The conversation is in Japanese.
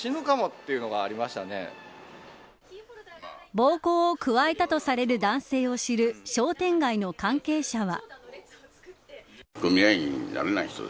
暴行を加えたとされる男性を知る商店街の関係者は。